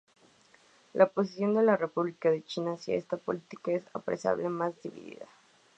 La posición de la República de China hacia esta política es apreciablemente más dividida.